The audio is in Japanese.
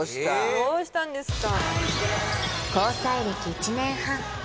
どうしたんですか？